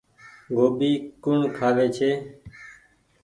گوڀي ڪوڻ کآوي ڇي۔